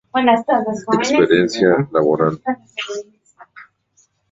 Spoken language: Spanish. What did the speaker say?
Experiencia Laboral.